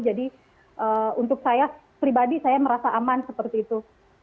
jadi untuk saya pribadi saya merasa aman seperti itu